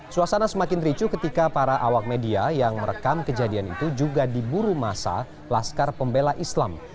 suasana semakin ricu ketika para awak media yang merekam kejadian itu juga diburu masa laskar pembela islam